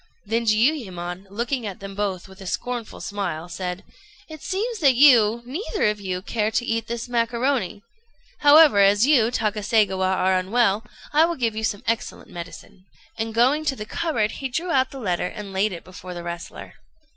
Then Jiuyémon, looking at them both with a scornful smile, said "It seems that you, neither of you, care to eat this macaroni; however, as you, Takaségawa, are unwell, I will give you some excellent medicine;" and going to the cupboard, he drew out the letter, and laid it before the wrestler.